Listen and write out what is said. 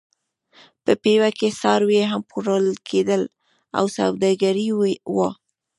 په پېوه کې څاروي هم پلورل کېدل او سوداګري وه.